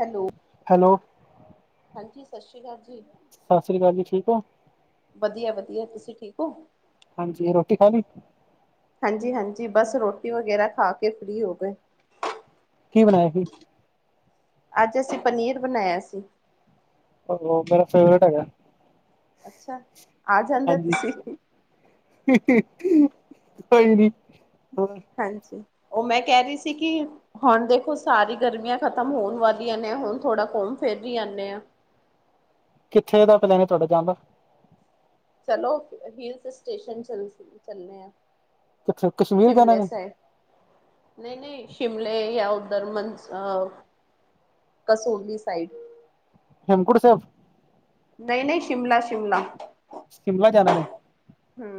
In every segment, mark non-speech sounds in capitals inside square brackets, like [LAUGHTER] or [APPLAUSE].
Hello hello ਹਾਂਜੀ ਸਤਿ ਸ੍ਰੀ ਅਕਾਲ ਜੀ ਸਤਿ ਸ੍ਰੀ ਅਕਾਲ ਜੀ ਠੀਕ ਹੋ ਵਧੀਆ, ਵਧੀਆ ਤੁਸੀਂ ਠੀਕ ਹੋ ਹਾਂਜੀ ਰੋਟੀ ਖਾਣੀ ਹਾਂਜੀ -ਹਾਂਜੀ ਬਸ ਰੋਟੀ ਵਗੈਰਾ ਖਾ ਕੇ ਫ੍ਰਰੀ ਹੋ ਗਏ ਕੀ ਬਣਾਇਆ ਸੀ ਅੱਜ ਅਸੀਂ ਪਨੀਰ ਬਣਾਇਆ ਸੀ ਪਨੀਰ ਮੇਰਾ ਫੇਵਰਟ ਹੈਗਾ ਅੱਛਾ, ਆ ਜਾਂਦੇ ਹਾਂਜੀ ਤੁਸੀਂ ਕੋਈ ਨੀ ਹ ਹਾਂਜੀ, ਉਹ ਮੈਂ ਕਹਿ ਰਹੀ ਸੀ ਕਿ ਹੁਣ ਦੇਖੋ ਸਾਰੀ ਗਰਮੀਆਂ ਖਤਮ ਹੋਣ ਵਾਲੀਆਂ ਨੇ ਹੁਣ ਥੋੜਾ ਘੁੰਮ ਫਿਰ ਹੀ ਆਉਂਦੇ ਆ ਕਿੱਥੇ ਦਾ ਪਲੇਨ ਏ ਤੁਹਾਡਾ ਜਾਣ ਦਾ? ਚਲੋ, ਹਿਲਸ ਸਟੇਸ਼ਨ ਚਲਸ- ਚੱਲੇ ਆ। ਕਿੱਥੇ ਕਸ਼ਮੀਰ ਜਾਣਾ ਕਿੰਨੇ ਨੇ ਹਿ। ਨਹੀਂ-ਨਹੀਂ ਸ਼ਿਮਲੇ ਜਾਂ ਉਧਰ ਮਨ ਅ ਕਸੋਲੀ ਸਾਈਡ। ਹੇਮਕੁੰਟ ਸਾਹਿਬ। ਨਹੀਂ-ਨਹੀਂ, ਸ਼ਿਮਲਾ-ਸ਼ਿਮਲਾ ਸ਼ਿਮਲਾ ਜਾਣਾ ਨੇ। ਹੂੰ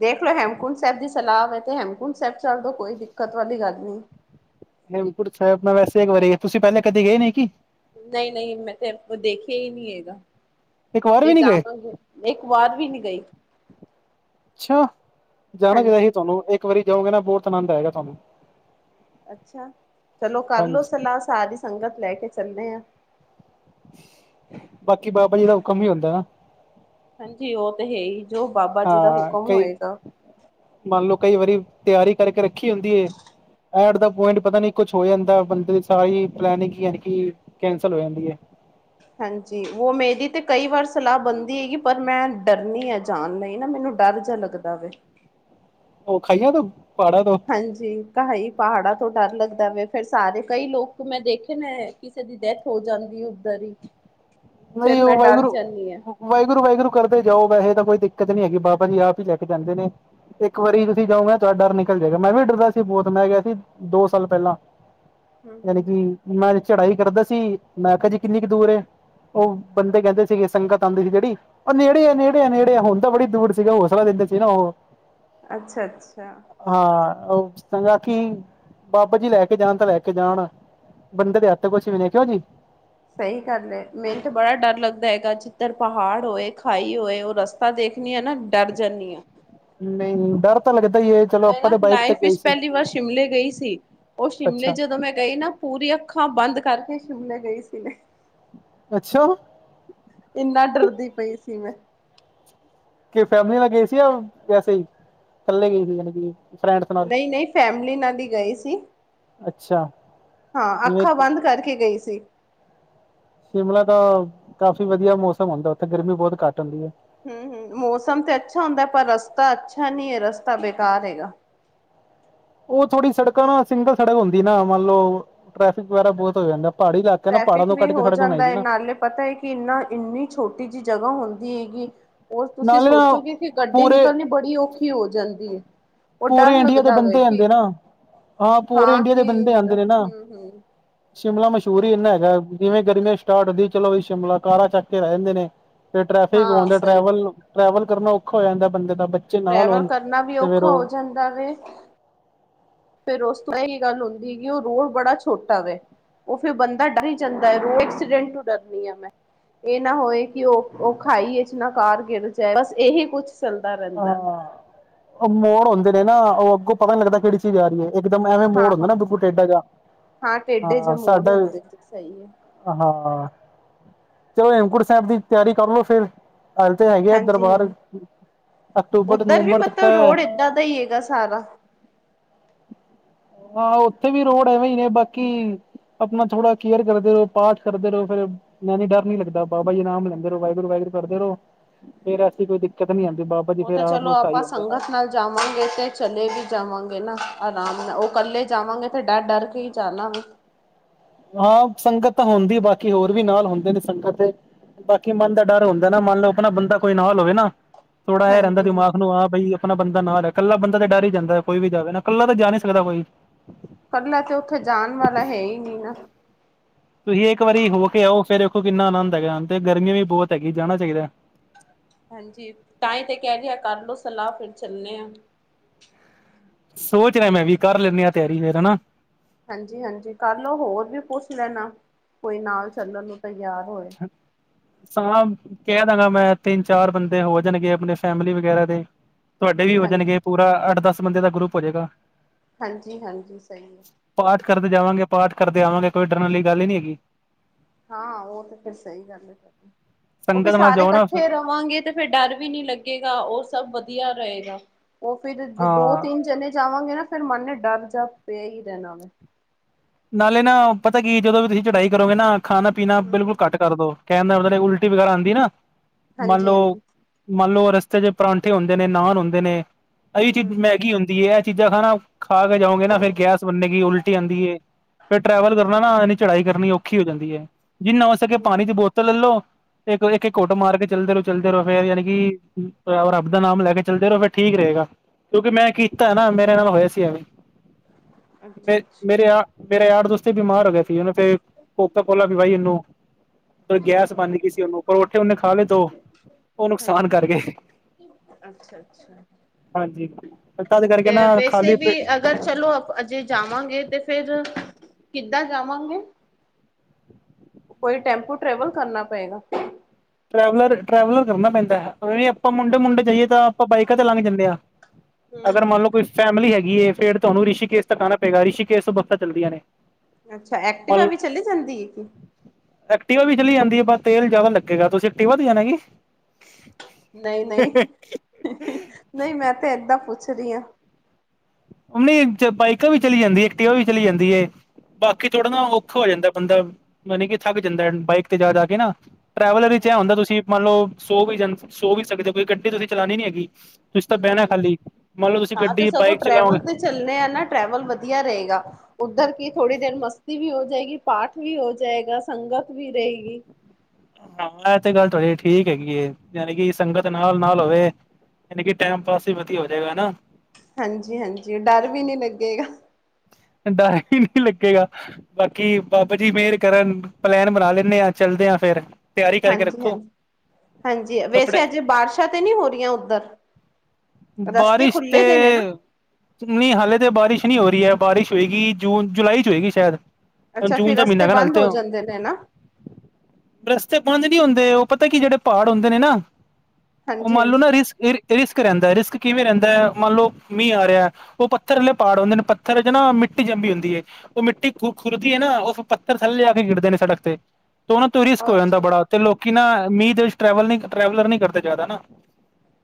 ਦੇਖ ਲੈ, ਹੇਮਕੁੰਟ ਸਾਹਿਬ ਦੀ ਸਲਾਹ ਵੇ ਤੇ, ਹੇਮਕੁੰਟ ਸਾਹਿਬ ਚੱਲ ਦੋ ਕੋਈ ਦਿੱਕਤ ਵਾਲੀ ਗੱਲ ਨਹੀਂ। ਹੇਮਕੁੰਟ ਸਾਹਿਬ ਵੈਸੇ ਇੱਕ ਵਾਰੀ। ਤੁਸੀਂ ਪਹਿਲੇ ਕਦੇ ਗਏ ਨੇ ਕੀ। ਨਹੀਂ-ਨਹੀਂ। ਮੈਂ ਤਾਂ ਹੇਮਕੁੰਟ ਦੇਖਿਆ ਹੀ ਨਹੀਂ ਹੈਗਾ। ਇੱਕ ਵਾਰ ਵੀ ਜੇ ਨਹੀਂ ਗਏ ਜਾਵਾਂਗੇ ਇੱਕ ਵਾਰ ਵੀ ਨੀ ਗਈ। ਅੱਛਾ। ਜਾਣਾ ਚਾਹੀਦਾ ਸੀ ਹਾਂਜੀ ਤੁਹਾਨੂੰ, ਇੱਕ ਵਾਰੀ ਜਾਓਗੇ ਨਾ ਬਹੁਤ ਆਨੰਦ ਆਏਗਾ ਤੁਹਾਨੂੰ। ਅੱਛਾ। ਚਲੋ ਕਰਲੋ ਹਾਂਜੀ ਸਲਾਹ ਸਾਰੀ ਸੰਗਤ ਲੈ ਕੇ ਚੱਲਦੇ ਆਂ। ਬਾਕੀ ਬਾਬਾ ਜੀ ਦਾ ਹੁਕਮ ਵੀ ਹੁੰਦਾ ਨਾ। ਹਾਂਜੀ। ਉਹ ਤੇ ਹੈ ਹੀ, ਜੋ ਬਾਬਾ ਜੀ ਦਾ ਹਾਂ ਹੁਕਮ ਕਈ ਹੋਏਗਾ। ਮੰਨ ਲਓ ਕਈ ਵਾਰੀ ਤਿਆਰੀ ਕਰਕੇ ਰੱਖੀ ਹੁੰਦੀਏ। ਐਟ ਦਾ ਪੁਆਇੰਟ ਪਤਾ ਨੀ ਕੁਛ ਹੋ ਜਾਂਦਾ। ਬੰਦੇ ਦੀ ਸਾਰੀ ਪਲੈਨਿੰਗ ਯਾਨੀ ਕੀ ਕੈਂਸਲ ਹੋ ਜਾਂਦੀ ਏ। ਹਾਂਜੀ। ਉਹ ਮੇਰੀ ਤੇ ਕਈ ਵਾਰ ਸਲਾਹ ਬਣਦੀ ਹੈਗੀ। ਪਰ ਮੈਂ ਡਰਨੀ ਹ ਜੀ। ਜਾਣ ਲਈ ਨਾ ਮੈਨੂੰ ਡਰ ਜਿਹਾ ਲੱਗਦਾ ਵੇ। ਉਹ ਖਾਈਆਂ ਤੋਂ ਪਹਾੜਾਂ ਤੋਂ। ਹਾਂਜੀ ਕਾਈ ਪਹਾੜਾਂ ਤੋਂ ਡਰ ਲੱਗਦਾ ਵੇ ਫਿਰ ਸਾਰੇ, ਕਈ ਲੋਕ ਮੈਂ ਦੇਖੇ ਨੇ ਕਿਸੇ ਦੀ ਡੈਥ ਹੋ ਜਾਂਦੀ ਉੱਧਰ ਹੀ। ਫੇਰ ਮਾਰੀ ਓ ਮੈਂ ਡਰ ਵਾਹਿਗੁਰੂ। ਜਾਂਦੀ ਹਾਂ ਵਾਹਿਗੁਰੂ- ਵਾਹਿਗੁਰੂ ਕਰਦੇ ਜਾਓ ਵੈਸੇ ਤਾਂ ਕੋਈ ਦਿੱਕਤ ਨੀ ਹੈਗੀ ਬਾਬਾ ਜੀ ਆਪ ਹੀ ਲੈ ਕੇ ਜਾਂਦੇ ਨੇ। ਇੱਕ ਵਾਰੀ ਤੁਸੀਂ ਜਾਓ ਨਾ ਤੁਹਾਡਾ ਡਰ ਨਿਕਲ ਜਾਏਗਾ। ਮੈਂ ਵੀ ਡਰਦਾ ਸੀ ਬਹੁਤ ਮੈਂ ਗਿਆ ਸੀ ਦੋ ਸਾਲ ਪਹਿਲਾਂ। ਹਮ ਯਾਨੀ ਕਿ ਹਮ ਮੈਂ ਚੜਾਈ ਕਰਦਾ ਸੀ ਮੈਂ ਕਿਹਾ ਜੀ ਕਿੰਨੀ ਕੁ ਦੂਰ ਹੈ। ਉਹ ਬੰਦੇ ਕਹਿੰਦੇ ਸੀਗੇ ਸੰਗਤ ਆਉਂਦੀ ਸੀ ਜਿਹੜੀ ਉਹ ਨੇੜੇ ਆ ਨੇੜੇ ਨੇੜੇ ਆ ਹੁੰਦਾ ਬੜੀ ਦੂਰ ਹੌਸਲਾ ਦਿੰਦੇ ਉਹ ਅੱਛਾ -ਅੱਛਾ। ਹਾਂ ਉਹ ਸੰਗਾ ਕੀ ਬਾਬਾ ਜੀ ਲੈ ਕੇ ਜਾਣ ਤੇ ਲੈ ਕੇ ਜਾਣ ਬੰਦੇ ਦੇ ਹੱਥ ਕੁਛ ਵੀ ਦੇਖਿਓ ਜੀ ਸਹੀ ਗੱਲ ਹੈ ਮੈਨੂੰ ਤੇ ਬੜਾ ਡਰ ਲੱਗਦਾ ਹੈਗਾ ਜਿੱਧਰ ਪਹਾੜ ਹੋਏ ਖਾਈ ਹੋਏ ਉਹ ਰਸ ਤਾਂ ਦੇਖਣੀ ਹਾਂ ਨਾ ਡਰ ਜਾਂਦੀ ਹਾਂ। ਨਹੀਂ ਡਰ ਤਾਂ ਲੱਗਦਾ ਹੀ ਚਲੋ ਮੈਂ ਆਪਾਂ ਨਾ ਤਾਂ ਬਾਈਕ ਤੇ ਲਾਈਫ ਗਏ ਵਿੱਚ ਸੀ ਪਹਿਲੀ ਵਾਰ ਸ਼ਿਮਲੇ ਗਈ ਸੀ ਉਹ ਸ਼ਿਮਲੇ ਅੱਛਾ ਜਦੋਂ ਮੈਂ ਗਈ ਨਾ ਪੂਰੀ ਅੱਖਾਂ ਬੰਦ ਕਰਕੇ ਸ਼ਿਮਲੇ ਗਈ ਸੀ। ਅੱਛਾ। ਇੰਨਾ ਡਰਦੀ ਪਈ ਸੀ ਮੈ। ਕੇ ਫੈਮਿਲੀ ਨਾਲ ਗਏ ਸੀ ਯਾ ਵੈਸੇ ਈ। ਇਕੱਲੇ ਗਈ ਸੀ [UNINTELLIGIBLE] ਕਿ ਫਰੈਂਡਸ ਨਾਲ। ਨਹੀਂ ਨਹੀਂ ਫੈਮਲੀ ਨਾਲ ਹੀ ਗਈ ਸੀ ਅੱਛਾ। ਹਾਂ ਜਿਵੇਂ ਅੱਖਾਂ ਕਿ ਬੰਦ ਕਰਕੇ ਗਈ ਸੀ। ਸ਼ਿਮਲਾ ਤਾਂ ਕਾਫੀ ਵਧੀਆ ਮੌਸਮ ਹੁੰਦਾ ਉੱਥੇ ਗਰਮੀ ਬਹੁਤ ਘੱਟ ਹੁੰਦੀ ਏ। ਹੂ ਹੂ ਮੌਸਮ ਤੇ ਅੱਛਾ ਹੁੰਦਾ ਪਰ ਰਸਤਾ ਅੱਛਾ ਨਹੀਂ ਹੈ ਰਸਤਾ ਬੇਕਾਰ ਹੈਗਾ। ਉਹ ਥੋੜੀ ਸੜਕਾਂ ਨਾ ਸਿੰਗਲ ਸੜਕ ਹੁੰਦੀ ਨਾ ਮੰਨ ਲੋ ਟ੍ਰੈਫਿਕ ਵਗੈਰਾ ਬਹੁਤ ਹੋ ਜਾਂਦਾ। ਪਹਾੜੀ ਇਲਾਕਾ ਨਾ ਪਹਾੜਾਂ ਟ੍ਰੈਫਿਕ ਤੋਂ ਵੀ ਕੱਟ ਕੇ ਹੋ ਸੜਕ ਬਣਾਈ ਜਾਂਦਾ ਹੈ ਨਾ। ਨਾਲੇ ਪਤਾ ਹੈ ਕਿ ਨਾ ਇੰਨੀ ਛੋਟੀ ਜਿਹੀ ਜਗ੍ਹਾ ਹੁੰਦੀ ਹੈਗੀ। ਹੋਰ ਤੁਸੀਂ ਨਾਲੇ ਨਾ ਸੋਚੋਗੇ ਕਿ ਗੱਡੀ ਪੂਰੇ ਨਿਕਲਣੀ ਬੜੀ ਔਖੀ ਹੋ ਜਾਂਦੀ ਹੈ। ਉਹ ਡਰ ਪੂਰੇ ਇੰਡੀਆ ਦੇ ਲੱਗਦਾ ਵੇ ਬੰਦੇ ਕਿ ਆਉਂਦੇ ਨਾ ਹਾਂ ਪੂਰੇ ਇੰਡੀਆ ਦੇ ਕਿ ਬੰਦੇ ਆਉਂਦੇ ਨੇ ਨਾ ਹੂੰ-ਹੂੰ ਸ਼ਿਮਲਾ ਮਸ਼ਹੂਰ ਹੀ ਇੰਨਾ ਹੈਗਾ ਜਿਵੇਂ ਗਰਮੀਆਂ ਸਟਾਰਟ ਚਲੋ ਸ਼ਿਮਲਾ ਕਾਰਾ ਚੱਕ ਕੇ ਰਹਿ ਜਾਂਦੇ ਨੇ ਫਿਰ ਟਰੈਫਿਕ ਹਾਂ ਹੋਦਾ ਸਹੀ ਹੈ, ਟਰੈਵਲ ਟਰੈਵਲ ਕਰਨਾ ਔਖਾ ਹੋ ਜਾਂਦਾ ਬੰਦੇ ਦਾ ਨਾਲ ਟਰੈਵਲ ਹੋਣ ਕਰਨਾ ਵੀ ਤੇ ਫੇਰ ਔਖਾ ਹੋ ਉਹ ਜਾਂਦਾ ਵੇ ਫਿਰ ਉਸ ਤੋਂ ਇਹ ਇਹ ਗੱਲ ਹੁੰਦੀ ਕਿ ਉਹ ਰੋਡ ਬੜਾ ਛੋਟਾ ਵੇ ਉਹ ਫਿਰ ਬੰਦਾ ਡਰ ਹੀ ਜਾਂਦਾ ਹੈ ਰੋਡ ਐਕਸੀਡੈਂਟ ਤੋਂ ਡਰਨੀ ਆ ਮੈ ਇਹ ਨਾ ਹੋਏ ਕਿ ਉਹ ਉਹ ਖਾਈਏ ਨਾ ਕਾਰ ਗਿਰ ਜਾਏ ਬਸ ਇਹੀ ਕੁਛ ਚੱਲਦਾ ਹਾਂ ਰਹਿੰਦਾ ਉਹ ਮੋਰ ਹੁੰਦੇ ਨੇ ਉਹ ਅੱਗੋਂ ਪਤਾ ਨਹੀਂ ਲੱਗਦਾ ਕਿਹੜੀ ਚੀਜ਼ ਆ ਰਹੀਏ ਇੱਕਦਮ ਐਵੇ ਮੋੜ ਹਾਂ ਹਾਂ ਹੁੰਦਾ ਬਿਲਕੁਲ ਟੇਢਾ ਜਿਹਾ ਹਾਂ ਟੇਡੇ ਜੇ ਮੋੜ ਹੁੰਦੇ ਤੇ ਸਹੀ ਹੈ। ਹਾਂ ਚਲੋ ਹੇਮਕੁਟ ਸਾਹਿਬ ਦੀ ਤਿਆਰੀ ਕਰ ਲੋ ਫਿਰ ਇਥੇ ਹੈਗੇ ਤੇ ਹਾਂਜੀ ਦਰਬਾਰ ਹਾਂਜੀ ਅਕਤੂਬਰ ਉੱਧਰ ਵੀ ਨਵੰਬਰ ਤੱਕ ਤਾਂ ਮਤਲਬ ਰੋਡ ਇਦਾਂ ਦਾ ਹੀ ਹੈਗਾ ਸਾਰਾ ਹਾਂ ਉੱਥੇ ਵੀ ਰੋਡ ਐਵੇਂ ਹੀ ਨੇ ਬਾਕੀ ਆਪਣਾ ਥੋੜਾ ਕੇਅਰ ਕਰਦੇ ਰਹੋ ਪਾਠ ਕਰਦੇ ਰਹੋ ਫਿਰ ਮੈ ਡਰ ਨੀ ਲਗਦਾ ਬਾਬਾ ਜੀ ਨਾਮ ਲੈਂਦੇ ਰੋ ਵਾਹਿਗੁਰੂ ਵਾਹਿਗੁਰੂ ਕਰਦੇ ਰਹੋ ਫਿਰ ਐਸੀ ਕੋਈ ਦਿੱਕਤ ਨੀ ਆਉਂਦੀ ਬਾਬਾ ਜੀ ਉਹ ਫੇਰ ਤੇ ਆਪ ਚਲੋ ਸਹਾਈ ਆਪਾਂ ਹੁੰਦੇ ਸੰਗਤ ਨਾਲ ਜਾਵਾਂਗੇ ਤੇ ਚਲੇ ਵੀ ਜਾਵਾਂਗੇ ਨਾ ਆਰਾਮ ਨਾਲ ਉਹ ਇਕੱਲੇ ਜਾਵਾਂਗੇ ਤੇ ਡਰ ਡਰ ਕੇ ਹੀ ਜਾਣਾ ਹਾਂ ਸੰਗਤ ਤਾਂ ਹੁੰਦੀ ਬਾਕੀ ਹੋਰ ਵੀ ਨਾਲ ਹੁੰਦੇ ਨੇ ਸੰਗਤ ਬਾਕੀ ਮਨ ਦਾ ਡਰ ਹੁੰਦਾ ਨਾ ਮੰਨ ਲਓ ਆਪਣਾ ਬੰਦਾ ਕੋਈ ਨਾ ਹੋਵੇ ਨਾ ਥੋੜਾ ਇਹ ਰਹਿੰਦਾ ਹਾਂਜੀ ਦਿਮਾਗ ਨੂੰ ਆਂ ਬਈ ਆਪਣਾ ਬੰਦਾ ਨਾਲ ਐ, ਇਕੱਲਾ ਬੰਦਾ ਤੇ ਡਰ ਹੀ ਜਾਂਦਾ, ਕੋਈ ਵੀ ਜਾਵੇ ਨਾ। ਇਕੱਲਾ ਤਾ ਜਾ ਨੀ ਸਕਦਾ ਕੋਈ। ਇਕੱਲਾ ਤੇ ਉੱਥੇ ਜਾਣ ਵਾਲਾ ਹੈ ਹੀ ਨੀ ਨਾ। ਤੁਸੀਂ ਇੱਕ ਵਾਰੀ ਹੋ ਕੇ ਆਓ, ਫਿਰ ਦੇਖੋ ਕਿੰਨਾ ਆਨੰਦ ਹੈਗਾ, ਤੇ ਗਰਮੀਆਂ ਵੀ ਬਹੁਤ ਹੈਗੀ, ਜਾਣਾ ਚਾਹੀਦਾ। ਹਾਂਜੀ ਤਾਂਹੀ ਤੇ ਕਹਿੰਨੀ ਆਂ ਕਰਲੋ ਸਲਾਹ, ਫਿਰ ਚੱਲਣੇ ਹਾਂ। ਸੋਚ ਰਿਹਾ ਮੈਂ ਵੀ, ਕਰ ਲੈਂਨੇ ਆਂ ਤਿਆਰੀ ਫੇਰ ਹਨਾ। ਹਾਂਜੀ- ਹਾਂਜੀ ਕਰਲੋ, ਹੋਰ ਵੀ ਪੁੱਛ ਲੈਣਾ, ਕੋਈ ਨਾਲ ਚੱਲਣ ਨੂੰ ਤਿਆਰ ਹੋਏ। [INAUDIBLE] ਸਾਂ ਕਹਿਦਾਂਗਾ ਮੈਂ, ਤਿੰਨ ਚਾਰ ਬੰਦੇ ਹੋ ਜਾਣਗੇ ਆਪਣੇ ਫੈਮਿਲੀ ਵਗੈਰਾ ਦੇ। ਤੁਹਾਡੇ ਵੀ ਹੋ ਹਾਂਜੀ ਜਾਣਗੇ, ਪੂਰਾ ਅੱਠ ਦਸ ਬੰਦੇ ਦਾ ਗਰੁੱਪ ਹੋ ਜੇਗਾ। ਹਾਂਜੀ-ਹਾਂਜੀ, ਸਹੀ ਏ। ਪਾਠ ਕਰਦੇ ਜਾਵਾਂਗੇ, ਪਾਠ ਕਰਦੇ ਆਵਾਂਗੇ, ਕੋਈ ਡਰਨ ਆਲੀ ਗੱਲ ਹੀ ਨਹੀਂ ਹੈਗੀ। ਹਾਂ ਉਹ ਤੇ ਫਿਰ ਸਹੀ ਗੱਲ ਏ, ਫਿਰ ਉਹ ਫਿਰ ਸੰਗਤ ਨਾਲ ਸਾਰੇ ਜਾਓ ਨਾ ਇਕੱਠੇ ਰਵਾਂਗੇ ਤੇ ਫਿਰ ਡਰ ਵੀ ਨੀ ਲੱਗੇਗਾ, ਉਹ ਸਭ ਵਧੀਆ ਰਹੇਗਾ, ਉਹ ਫਿਰ ਜੇ ਦੋ ਹਾਂ ਤਿੰਨ ਜਣੇ ਜਾਵਾਂਗੇ ਨਾ, ਫਿਰ ਮਨ ਵਿਚ ਡਰ ਜਾ ਪਿਆ ਹੀ ਰਹਿਣਾ ਵੇ। ਨਾਲੇ ਨਾ ਪਤਾ ਕੀ ਜਦੋਂ ਵੀ ਤੁਸੀਂ ਚੜਾਈ ਕਰੋਗੇ ਨਾ, ਖਾਣਾ- ਪੀਣਾ ਹੂੰ ਬਿਲਕੁਲ ਹੂੰ, ਘੱਟ ਕਰ ਦੋ। ਕਹਿਣ ਦਾ ਮਤਲਬ ਵੇ, ਉਲਟੀ ਵਗੈਰਾ ਆਂਦੀ ਨਾ, ਮੰਨ ਹਾਂਜੀ ਲੋ ਹਾਂਜੀ ਮੰਨ ਲੋ ਰਸਤੇ ਚ ਪਰਾਂਠੇ ਹੁੰਦੇ ਨੇ, ਨਾਨ ਹੁੰਦੇ ਨੇ, ਇਹੀ ਹਮ ਚੀਜ਼ ਹਮ ਮੈਗੀ ਹੁੰਦੀ ਐ, ਇਹ ਚੀਜ਼ਾਂ ਖਾਣਾ ਖਾ ਕੇ ਜਾਓਗੇ ਨਾ, ਫਿਰ ਗੈਸ ਬਣੇਗੀ, ਉਲਟੀ ਆਂਦੀ ਐ। ਫਿਰ ਟਰੈਵਲ ਕਰਨਾ ਨਾ, ਏਨੀ ਚੜਾਈ ਕਰਨੀ ਔਖੀ ਹੋ ਜਾਂਦੀ ਐ, ਜਿੰਨਾ ਹੋ ਸਕੇ ਪਾਣੀ ਦੀ ਬੋਤਲ ਲੈ ਲੋ। ਇੱਕ- ਇੱਕ- ਇੱਕ ਘੁੱਟ ਮਾਰ ਕੇ ਚੱਲਦੇ ਰਹੋ, ਚੱਲਦੇ ਰਹੋ ਫੇਰ ਯਾਨੀ ਕਿ ਰੱਬ ਦਾ ਨਾਮ ਲੈ ਕੇ ਚੱਲਦੇ ਰਹੋ, ਫਿਰ ਠੀਕ ਰਹੇਗਾ। ਕਿਉਂਕਿ ਮੈਂ ਕੀਤਾ ਨਾ, ਮੇਰੇ ਨਾਲ ਹੋਇਆ ਸੀ ਐਵੇਂ, ਅੱਛਾ ਮੇ ਅੱਛਾ ਮੇਰੇ ਆ ਮੇਰਾ ਯਾਰ ਦੋਸਤ ਹੀ ਬਿਮਾਰ ਹੋ ਗਿਆ ਸੀ, ਉਹਨੇ ਫੇਰ ਕੋਕਾ ਕੋਲਾ ਦਿਵਾਈ ਉਹਨੂੰ। ਗੈਸ ਬਣਗੀ ਸੀ ਉਹਨੂੰ, ਪਰੋਂਠੇ ਉਹਨੇ ਖਾ ਲੇ ਦੋ। ਉਹ ਨੁਕਸਾਨ ਕਰ ਗਏ ਹਾਂਜੀ, ਅੱਛਾ। ਅੱਛਾ-ਅੱਛਾ, ਹਾਂਜੀ ਤਦ ਕਰਕੇ ਤੇ ਨਾ ਵੈਸੇ ਖਾਲੀ ਵੀ ਪੇਟ ਅਗਰ ਚਲੋ ਆਪਾਂ ਜੇ ਜਾਵਾਂਗੇ, ਤੇ ਫੇਰ ਕਿੱਦਾਂ ਜਾਵਾਂਗੇ। ਕੋਈ ਟੈਂਪੂ ਟਰੈਵਲ ਕਰਨਾ ਪਏਗਾ। ਟਰੈਵਲਰ- ਟਰੈਵਲਰ ਕਰਨਾ ਪੈਂਦਾ ਐ, ਵੀ ਆਪਾਂ ਮੁੰਡੇ-ਮੁੰਡੇ ਜਾਈਏ ਤਾਂ ਆਪਾਂ ਬਾਈਕਾਂ ਤੇ ਲੰਘ ਜਾਂਦੇ ਆਂ। ਅਗਰ ਮੰਨ ਹੂੰ-ਹੂੰ। ਲਓ ਕੋਈ ਫੈਮਿਲੀ ਹੈਗੀ ਏ, ਫੇਰ ਤੁਹਾਨੂੰ ਰਿਸ਼ੀਕੇਸ਼ ਤੱਕ ਆਣਾ ਪਏਗਾ, ਰਿਸ਼ੀਕੇਸ਼ ਤੋਂ ਬੱਸਾਂ ਚੱਲਦੀਆਂ ਨੇ। ਅੱਛਾ, ਮੰਨ ਐਕਟਿਵਾ ਲਓ ਵੀ ਚਲੀ ਜਾਂਦੀ ਏ ਕੀ। ਐਕਟੀਵਾ ਵੀ ਚਲੀ ਜਾਂਦੀ ਈ, ਪਰ ਤੇਲ ਜਾਦਾ ਲੱਗੇਗਾ, ਤੁਸੀਂ ਐਕਟੀਵਾ ਤੇ ਜਾਣਾ ਕੀ। ਨਹੀਂ- ਨਹੀਂ, ਨਹੀਂ ਮੈਂ ਤੇ ਏਦਾਂ ਪੁੱਛ ਰਹੀ ਆਂ। ਓ ਨਹੀਂ ਬਾਈਕਾਂ ਵੀ ਚਲੀ ਜਾਂਦੀ ਏ, ਐਕਟਿਵਾ ਵੀ ਚਲੀ ਜਾਂਦੀ ਏ। ਬਾਕੀ ਥੋੜਾ ਨਾ ਔਖਾ ਹੋ ਜਾਂਦਾ ਬੰਦਾ, ਮਣੀ ਕਿ ਥੱਕ ਜਾਂਦਾ ਬਾਈਕ ਤੇ ਜਾ- ਜਾ ਕੇ ਨਾ। ਟਰੈਵਲਰ ਵਿਚ ਇਹ ਹੁੰਦਾ, ਅੱਛਾ-ਅੱਛਾ। ਤੁਸੀਂ ਮੰਨ ਲੋ ਸੋ ਵੀ ਜਾਂਦੇ, ਸੋ ਵੀ ਸਕਦੇ ਹੋ, ਕੋਈ ਗੱਡੀ ਤੁਸੀਂ ਚਲਾਣੀ ਨੀ ਹੈਗੀ। ਤੁਸੀਂ ਤਾਂ ਬਹਿਨਾ ਹੂੰ-ਹੂੰ। ਖਾਲੀ, ਮੰਨ ਲਓ ਤੁਸੀਂ ਹਾਂ ਤੇ ਗੱਡੀ, ਸਗੋਂ ਬਾਈਕ ਚਲਾਓਗੇ ਟਰੈਵਲ ਤੇ ਚੱਲਣੇ ਆ ਨਾ, ਟਰੈਵਲ ਵਧੀਆ ਰਹੇਗਾ। ਉੱਧਰ ਕੀ ਥੋੜ੍ਹੀ ਦੇਰ ਮਸਤੀ ਵੀ ਹੋ ਜਾਏਗੀ, ਪਾਠ ਵੀ ਹੋ ਜਾਏਗਾ, ਸੰਗਤ ਵੀ ਰਹੇਗੀ। ਹਾਂ ਇਹ ਤੇ ਗੱਲ ਤੁਹਾਡੀ ਠੀਕ ਹੈਗੀ ਏ, ਜਾਣੀ ਕਿ ਸੰਗਤ ਨਾਲ- ਨਾਲ ਹੋਵੇ। ਲੇਕਿਨ ਟਾਈਮ ਪਾਸ ਵੀ ਵਧੀਆ ਹੋ ਜਾਏਗਾ ਨਾ। ਹਾਂਜੀ-ਹਾਂਜੀ, ਡਰ ਵੀ ਨੀ ਲੱਗੇਗਾ। ਡਰ ਹੀ ਨੀ ਲੱਗੇਗਾ। ਬਾਕੀ ਬਾਬਾ ਜੀ ਮਿਹਰ ਕਰਨ, ਪਲੈਨ ਬਣਾ ਲੈਣੇ ਆ, ਚੱਲਦੇ ਆਂ ਫੇਰ। ਤਿਆਰੀ ਕਰਕੇ ਹਾਂਜੀ- ਰੱਖੋ ਹਾਂਜੀ, ਹਾਂਜੀ ਕੱਪੜੇ ਵੈਸੇ ਅਜੇ ਬਾਰਸ਼ਾਂ ਤੇ ਨਹੀਂ ਹੋ ਰਹੀਆਂ ਓਧਰ। ਰਸਤੇ ਬਾਰਿਸ਼ ਖੁੱਲ੍ਹੇ ਦੇ ਨੇ ਨਾ। ਤੇ ਨਹੀਂ ਹਾਲੇ ਤੇ ਬਾਰਿਸ਼ ਨਹੀਂ ਹੋ ਰਹੀ ਐ, ਬਾਰਿਸ਼ ਹੋਏਗੀ ਜੂਨ, ਜੁਲਾਈ ਚ ਹੋਏਗੀ ਸ਼ਾਇਦ। ਅੱਛਾ, ਜੂਨ ਫਿਰ ਦਾ ਮਹੀਨਾ ਰਸਤੇ ਹੈਗਾ ਨਾਲ ਬੰਦ ਤੇ ਹੋ ਜਾਂਦੇ ਨੇ ਨਾ। ਰਸਤੇ ਬੰਦ ਨੀ ਹੁੰਦੇ, ਉਹ ਪਤਾ ਕੀ ਜਿਹੜੇ ਪਹਾੜ ਹੁੰਦੇ ਨੇ ਨਾ ਉਹ ਹਾਂਜੀ ਮੰਨ ਲੋ ਨਾ ਹਾਂਜੀ ਰਿਸ ਰਿਸਕ ਰਹਿੰਦਾ ਰਿਸਕ ਕਿਵੇਂ ਰਹਿੰਦਾ ਹੈ ਮੰਨ ਲਓ ਮੀਂਹ ਆ ਰਿਹਾ ਉਹ ਪੱਥਰੇ ਆਲੇ ਪਹਾੜ ਹਉਦੇ ਨੇ ਪੱਥਰ। ਏਦੇ ਚ ਨਾ ਮਿੱਟੀ ਜੰਮੀ ਹੁੰਦੀ ਯੇ। ਉਹ ਮਿੱਟੀ ਖ ਖੁਰਦੀ ਹੈ ਨਾ ਉਹ ਫ ਪੱਥ ਥੱਲੇ ਆ ਕੇ ਗਿਰਦੇ ਨੇ ਸੜਕ ਤੇ। ਤੇ ਤੋਂ ਨਾ ਉਤੋ ਨਾ ਰਿਸਕ ਹੋ ਜਾਂਦਾ ਅੱਛਾ ਬੜਾ ਤੇ ਅੱਛਾ ਲੋਕੀ ਨਾ ਮੀਂਹ ਦੇ ਵਿਚ। ਟਰੈਵਲ ਨੀ ਟਰੈਵਲਰ ਨੀ ਕਰਦੇ ਜ਼ਿਆਦਾ ਨਾ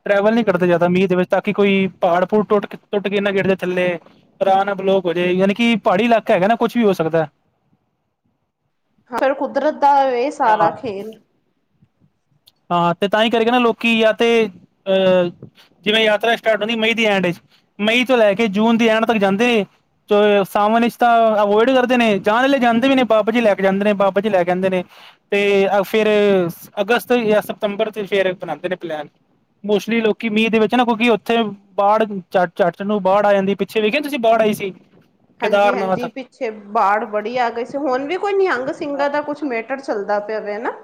ਟਰੈਵਲ ਨੀ ਹਮ ਕਰਦੇ ਜ਼ਿਆਦਾ ਹਮ ਮੀਂਹ ਦੇ ਵਿੱਚ। ਤਾਂ ਕਿ ਕੋਈ ਪਹਾੜ ਪੂੜ ਟੁੱਟ ਟੁੱਟ ਕੇ ਨਾਂ ਗੇਰ ਜੇ ਥੱਲੇ। ਰਾਹ ਨਾ ਬਲੋਕ ਹੋ ਜੇ ਯਾਨੀ ਕਿ ਪਹਾੜੀ ਇਲਾਕਾ ਹੈਗਾ ਨਾ ਕੁੱਛ ਵੀ ਹੋ ਸਕਦਾ ਏ। ਹਾਂ ਫਰ ਕੁਦਰਤ ਦਾ ਇਹ ਸਾਰਾ ਹਾਂ ਖੇਲ। ਹਾਂ ਤੇ ਤਾਂ ਈ ਕਰਕੇ ਨਾ ਲੋਕੀ ਜਾਂ ਤੇ ਅਹ ਜਿਵੇਂ ਯਾਤਰਾ ਸਟਾਰਟ ਹੁੰਦੀ ਮਈ ਦੀ ਐਂਡ ਚ। ਮਈ ਤੋਂ ਲੈ ਕੇ ਜੂਨ ਦੀ ਐਂਡ ਤੱਕ ਜਾਂਦੇ। ਸਾਵਨ ਵਿਸ ਤਾਂ ਅਵੋਇਡ ਕਰਦੇ ਨੇ ਜਾਂ ਆਲੇ ਜਾਂਦੇ ਵੀ ਨੇ ਬਾਬਾ ਜੀ ਲੈ ਕੇ ਜਾਂਦੇ ਨੇ ਬਾਬਾ ਜੀ ਲੈ ਕੇ ਜਾਂਦੇ ਨੇ। ਤੇ ਫੇਰ ਅਗਸਤ ਜਾਂ ਸਤੰਬਰ ਤੇ ਫੇਰ ਬਣਾਂਦੇ ਨੇ ਪਲੈਨ। ਮੋਸਟਲੀ ਲੋਕੀ ਮੀਂਹ ਦੇ ਵਿੱਚ ਨਾ ਕਿਉਂਕਿ ਉੱਥੇ। ਬਾੜ ਚਾ ਚੱਟ ਨੂੰ ਬਾਹੜ ਆ ਜਾਂਦੀ ਪਿੱਛੇ ਵੇਖਿਆ ਤੁਸੀਂ ਬਾੜ ਆਈ ਸੀ। ਹਾਂਜੀ ਕੇਦਾਰਨਾਥ ਹਾਂਜੀ ਪਿੱਛੇ ਬਾੜ ਬੜੀ ਆ ਗਈ ਸੀ ਹੁਣ ਵੀ ਕੋਈ ਨਿਹੰਗ ਹਾਂ ਸਿੰਘਾਂ ਦਾ ਕੁਛ ਮੇਟ। ਚੱਲਦਾ ਪਿਆ ਵੇ ਨਾ।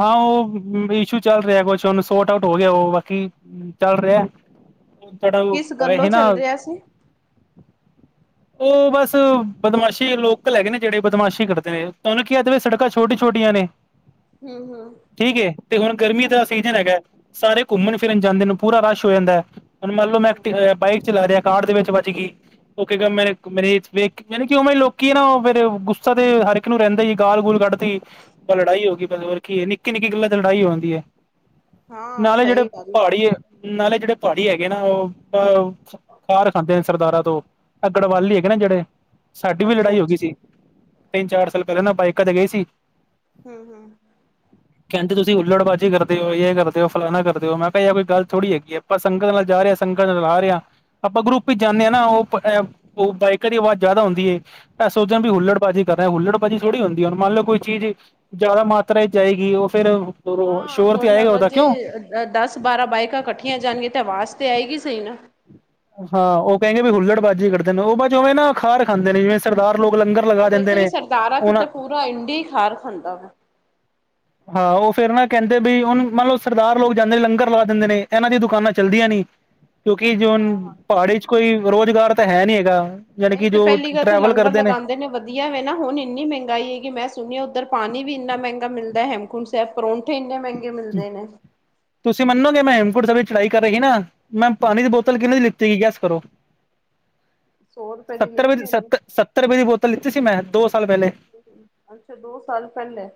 ਹਾਂ ਉਹ ਇਸ਼ੂ ਚੱਲ ਰਿਆ ਕੁਛ ਉਹਨੂੰ ਸੋਰਟ ਆਊਟ ਹੋ ਗਿਆ ਉਹ ਬਾਕੀ। ਚੱਲ ਰਿਹਾ ਥੋਡਾ ਓ ਕਿਸ ਹੋਇਆ ਗੱਲੋਂ ਸੀ ਨਾ ਚੱਲ ਰਿਹਾ ਸੀ ਉਹ ਬਸ ਬਦਮਾਸ਼ੀ ਲੋਕਲ ਹੈਗੇ ਨੇ ਜਿਹੜੇ ਬਦਮਾਸ਼ੀ ਕਰਦੇ ਨੇ ਤੁਹਾਨੂੰ ਕਿਹਾ ਤੇ ਵੇ ਸੜਕਾਂ ਛੋਟੀ ਛੋਟੀਆਂ ਨੇ। ਹਮ ਹਮ ਠੀਕ ਏ ਤੇ ਹੁਣ ਗਰਮੀ ਤਾਂ ਹਾਂਜੀ ਅਸੀਂ ਹੈਗਾ ਸਾਰੇ ਘੁੰਮਣ ਫਿਰਨ ਜਾਂਦੇ ਨੇ ਪੂਰਾ ਰਸ਼ ਹੋ ਜਾਂਦਾ ਹੈ ਹੁਣ ਮੰਨ ਲਓ ਮੈਂ ਐਕਟੀ ਬਾਈਕ ਚਲਾ ਰਿਹਾ। ਕਾਰਡ ਦੇ ਵਿੱਚ ਵੱਜ ਗਈ। ਮੇ ਮੇਰੇ ਵੇਖ ਯਾਨੀ ਕਿ ਵੀ ਲੋਕੀ ਏ ਨਾ ਫਿਰ ਗੁੱਸਾ ਤੇ ਹਰ ਇੱਕ ਨੂੰ ਰਹਿੰਦਾ ਈ ਗਾਲ ਗੂਲ ਕੱਢਦੀ। ਲੜਾਈ ਹੋ ਗਈ ਬਸ ਹੋਰ ਕੀ ਏ ਨਿੱਕੀ ਨਿੱਕੀ ਗੱਲਾਂ ਤੇ ਲੜਾਈ ਹੋ ਜਾਂਦੀ ਹੈ। ਹਾਂ ਨਾਲੇ ਜਿਹੜੇ ਸਹੀ ਗੱਲ ਪਹਾੜੀ ਏ ਨਾਲੇ ਜਿਹੜੇ ਪਹਾੜੀ ਹੈਗੇ ਨਾ ਉਹ ਅਹ ਖਾਰ ਖਾਂਦੇ ਨੇ ਸਰਦਾਰਾਂ ਤੋਂ। ਏ ਗੜਵਾਲੀ ਹੈਗੇ ਨਾ ਜਿਹੜੇ ਸਾਡੀ ਵੀ ਅੱਛਾ ਲੜਾਈ ਹੋ ਗਈ ਅੱਛਾ ਸੀ। ਤਿੰਨ ਚਾਰ ਸਾਲ ਪਹਲੇ ਨਾ ਬਾਈਕਾਂ ਤੇ ਗਏ ਸੀ। [INAUDIBLE] ਕਹਿੰਦੇ ਤੁਸੀਂ ਉੱਲੜਬਾਜ਼ੀ ਕਰਦੇ ਓ ਯੇ ਕਰਦੇ ਓ ਫਲਾਨਾ ਕਰਦੇ ਓ ਮੈਂ ਕਿਹਾ ਯਾ ਕੋਈ ਗੱਲ ਥੋੜ੍ਹੀ ਹੈਗੀ ਐ। ਆਪਾਂ ਸੰਗਤ ਨਾਲ ਜਾ ਰੇਆ ਸੰਗਤ ਨਾਲ ਆ ਰੇਆ ਆਪਾਂ ਗਰੁੱਪ ਚ ਜਾਂਨੇ ਆ ਨਾ ਉਹ। ਐਹ ਓ ਬਾਈਕਰ ਦੀ ਆਵਾਜ਼ ਜ਼ਿਆਦਾ ਹੁੰਦੀ ਏ। ਐਹ ਸੋਚਦੇ ਹੋ ਵੀ ਹੁੱਲੜ ਵਾਜ਼ੀ ਕਰ ਰੇਆ ਹੁੱਲੜਾਜ਼ੀ ਥੋੜੀ ਹੁੰਦੀ ਆ ਹੁਣ ਮੰਨ ਲਓ ਕੋਈ ਚੀਜ਼। ਜ਼ਿਆਦਾ ਮਾਤਰਾ ਚ ਜਾਏਗੀ ਉਹ ਫੇਰ ਹਾਂ ਸ਼ੋਰ ਤੇ ਹੁਣ ਆਏਗਾ ਅਗਰ ਉਹਦਾ ਜੇ ਕਿਉਂ‌। ਦਸ ਬਾਰਾਂ ਬਾਈਕਾਂ ਇਕੱਠੀਆਂ ਜਾਣਗੀਆਂ ਤੇ ਆਵਾਜ਼ ਤੇ ਆਏਗੀ ਸਈ ਨਾ। ਹਾਂ ਉਹ ਕਹਿ ਗੇ ਵੀ ਹੁੱਲੜ ਬਾਜੀ ਕਢਦੇ ਨੇ ਉਹ ਬਾ ਜੋਵੇਂ ਨਾ ਖਾਰ ਖਾਂਦੇ ਨੇ ਜਿਵੇਂ। ਸਰਦਾਰ ਲੋਕ ਲੰਗਰ ਲਗਾ ਉਹ ਦਿੰਦੇ ਵੈਸੇ ਵੀ ਨੇ ਸਰਦਾਰਾ ਤੋਂ ਹੁਣ ਤਾਂ ਪੂਰਾ ਇੰਡੀਆ ਖਾਰ ਖਾਂਦਾ ਵਾ। ਹਾਂ ਉਹ ਫੇਰ ਨਾ ਕਹਿੰਦੇ ਵੀ ਹੁਣ ਮੰਨਲੋ ਸਰਦਾਰ ਲੋਕ ਜਾਂਦੇ ਨੇ ਲੰਗਰ ਲਵਾ ਦਿੰਦੇ ਨੇ ਇਹਨਾਂ ਦੀਆਂ ਦੁਕਾਨਾਂ ਚੱਲਦੀਆਂ ਨੀ। ਕਿਉਂਕਿ ਜ ਹੁਣ ਹਾਂ ਹਾਂ ਪਹਾੜੀ ਚ ਸਹੀ। ਕੋਈ ਰੁਜ਼ਗਾਰ ਤਾਂ ਹੈ ਨੀ ਹੈਗਾ। ਜਾਣੀ ਨਹੀਂ ਕਿ ਤੇ ਜੋ ਪਹਿਲੀ ਗੱਲ ਤੇ ਟਰੈਵਲ ਲੰਗਰ ਕਰਦੇ ਨੇ। ਲਗਾਉਂਦੇ ਵਧੀਆ ਵੇ ਨਾ ਹੁਣ ਇੰਨੀ ਮਹਿੰਗਾਈ ਹੈਗੀ ਮੈਂ ਸੁਣਿਆ ਉੱਧਰ ਪਾਣੀ ਵੀ ਇੰਨਾ ਮਹਿੰਗਾ ਮਿਲਦਾ ਹੇਮਕੁੰਡ। ਸੇ ਪਰੌਠੇ ਇੰਨੇ ਮਹਿੰਗੇ ਮਿਲਦੇ ਨੇ। ਤੁਸੀਂ ਮੰਨੋਗੇ ਮੈਂ ਹੇਮਕੁੰਡ ਸੇ ਵਿੱਚ ਚੜ੍ਹਾਈ ਕਰ ਰੇਹਾ ਹੀ ਨਾ ਮੈਂ ਪਾਣੀ ਦੀ ਬੋਤਲ ਹਮ। ਕਿਹਨੇ ਦੀ ਲੀ। ਤੀ ਗੈੱਸ ਕਰੋ ਸੌ ਰੁਪਏ ਦੀ ਸੱਤਰ ਵਿੱਚ ਲਿੱਤੀ ਹੋਣੀ ਸਤ ਸ ਸੱਤਰ ਰੁਪਏ ਦੀ ਬੋਤਲ ਲੀਤੀ ਸੀ ਮੈਂ ਦੋ ਸਾਲ ਪਹਿਲੇ। ਅੱਛਾ ਦੋ ਸਾਲ ਪਹਿਲੇ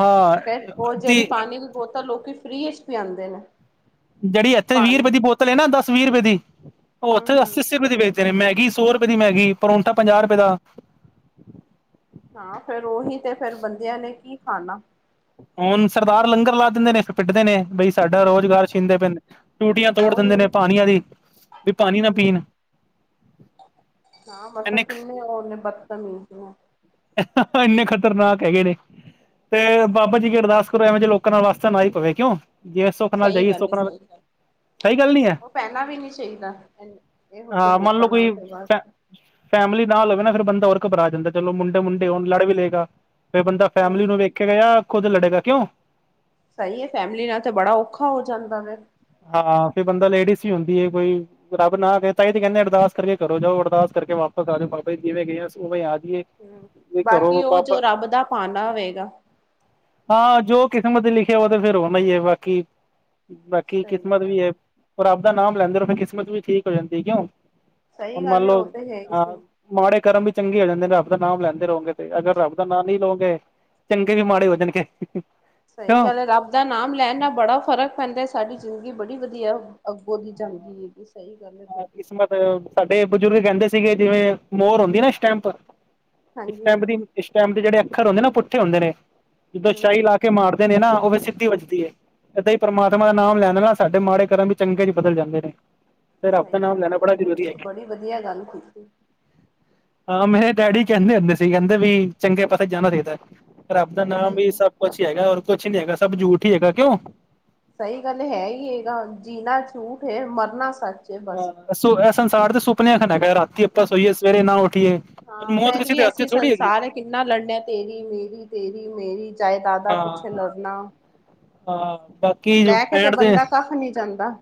ਹਾਂ ਫੇਰ ਉਹ ਜਿਹੜੀ ਅੱਧੀ ਪਾਣੀ ਉਹ ਤਾਂ ਲੋਕੀ ਫਰੀ ਚ ਪੀ ਆਂਦੇ ਨੇ। ਜਿਹੜੀ ਇੱਥੇ ਵੀਹ ਰੁਪਏ ਪਾਣੀ। ਦੀ ਬੋਤਲ ਏ ਨਾ ਦਸ ਵੀਹ ਰੁਪਏ ਦੀ ਉਹ ਹਮ ਉੱਥੇ ਹਮ। ਅੱਸੀ ਅੱਸੀ ਰੁਪਏ ਦੀ ਵੇ। ਤੇ ਮੈਗੀ ਸੌ ਰੁਪਏ ਦੀ ਮੈਗੀ ਪਰੌਂਠਾ ਪੰਜਾਹ ਰੁਪਏ ਦਾ। ਹਾਂ ਫੇਰ ਉਹੀ ਤੇ ਫਿਰ ਬੰਦਿਆਂ ਨੇ ਕੀ ਖਾਣਾ ਹੁਣ ਸਰਦਾਰ ਲੰਗਰ ਲਾ ਦਿੰਦੇ ਨੇ ਫਿਰ ਪਿੱਟਦੇ ਨੇ ਬਈ ਸਾਡਾ ਰੁਜ਼ਗਾਰ ਛੀਂਦੇ ਪੈਂਦ ਟੂਟੀਆਂ ਤੋੜ ਦਿੰਦੇ ਨੇ ਉਹੀ। ਪਾਣੀਆਂ ਦੀ, ਵੀ ਪਾਣੀ ਨਾ ਪੀਣ ਹਾਂ ਪਤਾ ਇੰਨੇ ਕਿੰਨੇ ਉਹ ਨੇ ਬਦਤਮੀਜ਼ ਨੇ ਇੰਨੇ ਖ਼ਤਰਨਾਕ ਹੈਗੇ ਨੇ, ਤੇ ਬਾਬਾ ਜੀ ਕੀ ਅਰਦਾਸ ਕਰੋ ਐਵੇ ਜੇ ਲੋਕ ਘਰਾਂ ਵਾਸਤੇ ਨਾ ਈ ਪਵੇ ਕਿਉਂ? ਜਿਵੇਂ ਸੁੱਖ ਨਾਲ ਸਹੀ ਜਾਈਏ ਗੱਲ ਸੁੱਖ ਏ ਨਾਲ ਸਹੀ ਗੱਲ ਸਹੀ ਗੱਲ ਨਹੀਂ ਹੈ ਉਹ ਪਹਿਨਾ ਵੀ ਨੀ ਚਾਈਦਾ ਇਹੋ ਜਿਹੇ ਹਾਂ ਮੰਨ ਲਓ ਲੋਕਾਂ ਕੋਈ ਨਾਲ ਤੇ ਬਸ ਫੈ ਫੈਮਿਲੀ ਨਾਲ ਹੋਵੇ ਨਾ ਫਿਰ ਬੰਦਾ ਓਰ ਘਬਰਾ ਜਾਂਦਾ ਚਲੋ ਮੁੰਡੇ ਮੁੰਡੇ ਹੋਣ ਲੜ ਵੀ ਲਏਗਾ ਕੋਈ ਬੰਦਾ ਹੂੰ ਫੈਮਿਲੀ ਨੂੰ ਹੂੰ ਵੇਖੇਗਾ ਜਾਂ ਖੁਦ ਲੜੇਗਾ ਕਿਉਂ ਸਹੀ ਹੈ ਫੈਮਿਲੀ ਨਾਲ ਤੇ ਬੜਾ ਔਖਾ ਹੋ ਜਾਂਦਾ ਫੇਰ ਹਾਂ ਫਿਰ ਬੰਦਾ ਲੇਡੀਜ਼ ਹੀ ਹੁੰਦੀ ਹੈ ਕੋਈ ਰੱਬ ਨਾ ਗਏ ਹੀ ਤੇ ਕਹਿੰਦੇ ਅਰਦਾਸ ਕਰਕੇ ਕਰੋ ਜਾਓ ਅਰਦਾਸ ਕਰਕੇ ਵਾਪਸ ਆ ਜਾਓ ਬਾਬਾ ਜਿਵੇਂ ਗਏ ਆ ਉਵੇਂ ਆ ਜਾਈਏ ਵੀ ਬਾਕੀ ਘਰੋਂ ਉਹ ਜੋ ਬਾਬਾ ਰੱਬ ਦਾ ਪਾਨਾ ਹੋਵੇਗਾ ਹਾਂ ਜੋ ਕਿਸਮਤ ਲਿਖਿਆ ਉਹ ਤੇ ਫੇਰ ਉਹਦਾ ਹੀ ਹੈ ਬਾਕੀ ਕਿ ਸਹੀ ਕਿਸਮਤ ਗੱਲ ਵੀ ਹੈ ਰੱਬ ਦਾ ਨਾਮ ਲੈਂਦੇ ਫਿਰ ਕਿਸਮਤ ਵੀ ਠੀਕ ਹੋ ਜਾਂਦੀ ਹੈ ਕਿਉਂ ਸਹੀ ਹੁਣ ਮੰਨ ਗੱਲ ਹੈ, ਉਹ ਲਓ ਤੇ ਹੈ ਹੀ ਸਹੀ ਅਹ ਮਾੜੇ ਕਰਮ ਵੀ ਚੰਗੇ ਹੋ ਜਾਂਦੇ ਨੇ ਰਬ ਦਾ ਨਾਮ ਲੈਂਦੇ ਰਹੋਗੇ ਤੇ ਅਗਰ ਰੱਬ ਦਾ ਨਾਂ ਨਹੀਂ ਲਓਗੇ ਚੰਗੇ ਵੀ ਮਾੜੇ ਹੋ ਜਾਣਗੇ ਸਹੀ ਕਿਉਂ ਗੱਲ ਐ ਰੱਬ ਦਾ ਨਾਮ ਲੈਣ ਨਾਲ ਬੜਾ ਫ਼ਰਕ ਪੈਂਦਾ ਸਾਡੀ ਜ਼ਿੰਦਗੀ ਬੜੀ ਵਧੀਆ ਅੱਗੋਂ ਦੀ ਜਾਂਦੀ ਹੈਗੀ ਸਈ ਗੱਲ ਏ ਤੁਹਾਡੀ ਕਿਸਮਤ ਸਾਡੇ ਬਜ਼ੁਰਗ ਕਹਿੰਦੇ ਸੀਗੇ ਜਿਵੇਂ ਮੋਰ ਹੁੰਦੀ ਆ ਨਾ ਸਟੈਂਪ, ਹਾਂਜੀ ਸਟੈਂਪ ਦੀ ਹਾਂਜੀ ਸਟੇਮਪ ਦੇ ਜਿਹੜੇ ਅੱਖਰ ਹੁੰਦੇ ਨਾ ਉਹ ਪੁੱਠੇ ਹੁੰਦੇ ਨੇ, ਜਦੋਂ ਹੂੰ ਸ਼ਾਹੀ ਲਾ ਹੂੰ ਕੇ ਮਾਰ ਨੇ ਨਾ ਉਹ ਵੀ ਸਿੱਧੀ ਵੱਜਦੀ ਏ ਏਦਾਂ ਈ ਪਰਮਾਤਮਾ ਦਾ ਨਾਮ ਲੈਣ ਨਾ ਸਾਡੇ ਮਾੜੇ ਕਰਮ ਵੀ ਚੰਗੇ ਬਦਲ ਜਾਂਦੇ ਨੇ ਤੇ ਰੱਬ ਦਾ ਸਈ ਨਾਮ ਗੱਲ ਲੈਣਾ ਏ ਬੜਾ ਤੇ ਫੇਰ ਜ਼ਰੂਰੀ ਤੁਸੀਂ ਹੈਗਾ ਬੜੀ ਵਧੀਆ ਗੱਲ ਕੀਤੀ ਹਾਂ ਮੇਰੇ ਡੈਡੀ ਕਹਿੰਦੇ ਹੁੰਦੇ ਸੀ ਕਹਿੰਦੇ ਵੀ ਚੰਗੇ ਪਾਸੇ ਜਾਣਾ ਚਾਈਦਾ। ਰੱਬ ਦਾ ਨਾਮ ਵੀ ਸਹੀ ਸਭ ਕੁਛ ਹੀ ਹੈਗਾ ਔਰ ਕੁਛ ਨੀ ਹੈਗਾ ਸਭ ਝੂਠ ਹੀ ਹੈਗਾ। ਕਿਉਂ? ਸਈ ਗੱਲ ਹੈ ਹੀ ਹੈਗਾ ਜੀਣਾ ਝੂਠ ਏ ਮਰਨਾ ਸੱਚ। ਹੈ ਬਸ ਹਾਂ ਅੱਸੂ ਐਹ ਸੰਸਾਰ ਦੇ ਸੁਪਨੇ ਆ ਕਹਿ ਰਾਤੀ ਆਪਾਂ ਸੋਈਏ ਸਵੇਰੇ ਨਾਂ ਉਠੀਏ। ਹਾਂ ਮੌਤ ਫੇਰ ਕਿਸੇ ਦੇ ਵੀ ਹੱਥ ਅਸੀਂ ਚ ਥੋੜੀ ਹੈਗੀ ਸੰਸਾਰ ਹੈ ਕਿੰਨਾ ਲੜਨੇ ਤੇਰੀ ਮੇਰੀ ਤੇਰੀ ਮੇਰੀ ਜਾਇਦਾਦਾ ਹਾਂ ਪਿੱਛੇ ਲੜਨਾ ਹਾਂ ਬਾਕੀ ਜੋ ਲੈ ਕੇ ਤੇ ਐਂਡ ਬੰਦਾ ਕੱਖ ਨਹੀਂ ਜਾਂਦਾ